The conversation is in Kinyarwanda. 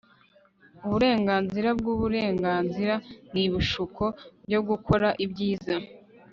Uburenganzira bwuburenganzira nibishuko byo gukora ibyiza